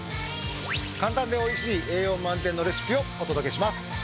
簡単で美味しい栄養満点のレシピをお届けします。